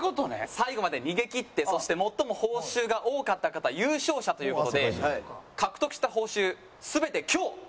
最後まで逃げきってそして最も報酬が多かった方優勝者という事で獲得した報酬全て今日持って帰っていただきます。